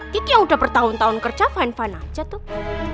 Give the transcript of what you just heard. tiki yang udah bertahun tahun kerja fun fun aja tuh